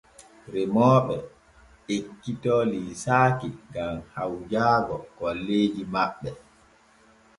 Remooɓe ekkito liisaaki gam hawjaago golleeji maɓɓe.